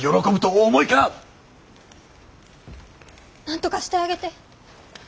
なんとかしてあげて。